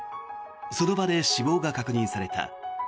その場で死亡が確認された。